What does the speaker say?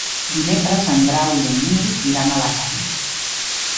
Dimecres en Grau i en Nil iran a Alacant.